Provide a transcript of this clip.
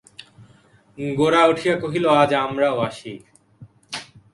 গোরা উঠিয়া কহিল, আজ আমরাও আসি।